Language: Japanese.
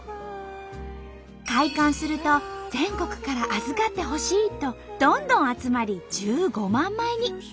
開館すると全国から預かってほしいとどんどん集まり１５万枚に。